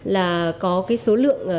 là có cái số lượng